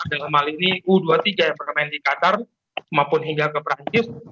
dan malah ini u dua puluh tiga yang pernah main di qatar maupun hingga ke prancis